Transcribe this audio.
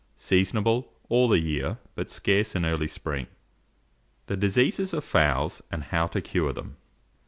Seasonable all the year, but scarce in early spring. THE DISEASES OF FOWLS, AND HOW TO CURE THEM.